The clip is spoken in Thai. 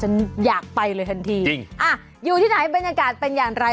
ฉันอยากไปเลยทันทีจริงอ่ะอยู่ที่ไหนบรรยากาศเป็นอย่างไร